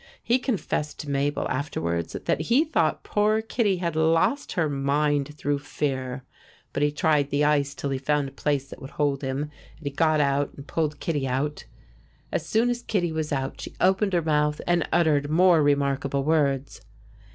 He confessed to Mabel afterwards that he thought poor Kittie had lost her mind through fear. But he tried the ice till he found a place that would hold him, and he got out and pulled Kittie out. As soon as Kittie was out she opened her mouth and uttered more remarkable words.